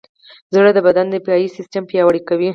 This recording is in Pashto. زړه د بدن د دفاعي سیستم ملاتړ کوي.